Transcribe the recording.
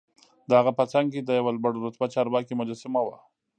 دهغه په څنګ کې د یوه لوړ رتبه چارواکي مجسمه وه.